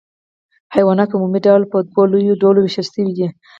حیوانات په عمومي ډول په دوو لویو ډلو ویشل شوي دي